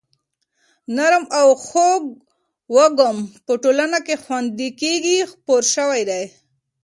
نرم او خوږ وږم په ټوله خونه کې خپور شوی دی.